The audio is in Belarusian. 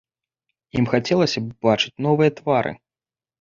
Ім хацелася б бачыць новыя твары.